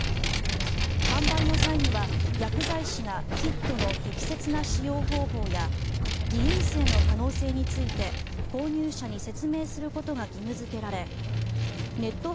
販売の際には、薬剤師がキットの適切な使用方法や偽陰性の可能性について購入者に説明することが義務付けられネット